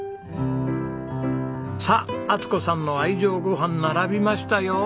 さあ充子さんの愛情ご飯並びましたよ！